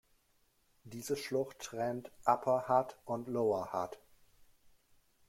Diese Schlucht trennt Upper Hutt und Lower Hutt.